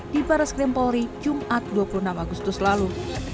di baris krim polri jumat dua puluh enam agustus lalu